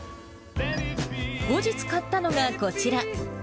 後日買ったのがこちら。